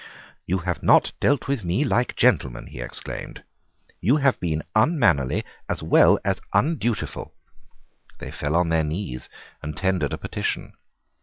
"You have not dealt with me like gentlemen," he exclaimed. "You have been unmannerly as well as undutiful." They fell on their knees and tendered a petition.